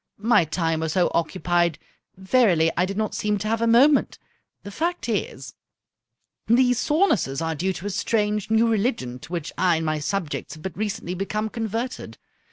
My time was so occupied, verily I did not seem to have a moment. The fact is, these sorenesses are due to a strange, new religion to which I and my subjects have but recently become converted.